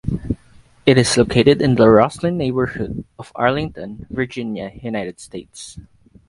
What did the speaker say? It is located in the Rosslyn neighborhood of Arlington, Virginia, United States.